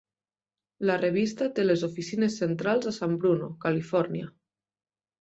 La revista té les oficines centrals a San Bruno, Califòrnia.